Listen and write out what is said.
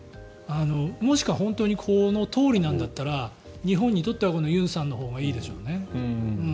もしくは本当にこのとおりなんだったら日本にとってはユンさんのほうがいいでしょうね。